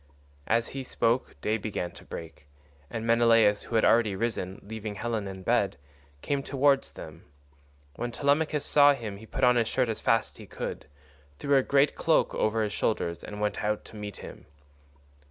As he spoke day began to break, and Menelaus, who had already risen, leaving Helen in bed, came towards them. When Telemachus saw him he put on his shirt as fast as he could, threw a great cloak over his shoulders, and went out to meet him.